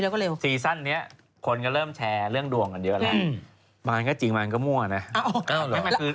ครีสันต์นี้คนก็เริ่มแชร์เรื่องดวงกันเยอะกว่าไหร่อือ